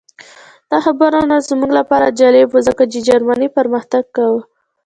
دا خبرونه زموږ لپاره جالب وو ځکه جرمني پرمختګ کاوه